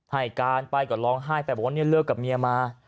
ให้การไปก็ร้องไห้ไปบอกว่าเนี่ยเลิกกับเมียมา